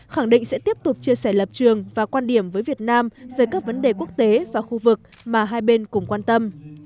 khẳng định sẽ tiếp tục chia sẻ lập trường và quan điểm với việt nam về các vấn đề quốc tế và khu vực mà hai bên cùng quan tâm